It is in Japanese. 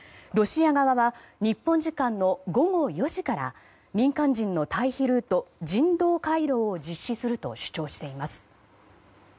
ロシア側は日本時間の午後４時から民間人の退避ルート人道回廊を実施すると主張しています。